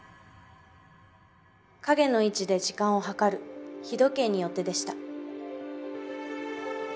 影の位置で時間を計る日時計によってでした。